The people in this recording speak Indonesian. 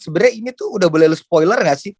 sebenarnya ini tuh udah boleh lo spoiler gak sih